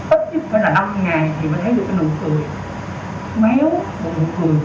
ít nhất là năm ngày thì mới thấy được cái nụ cười méo nụ cười vừa gạo nụ cười dế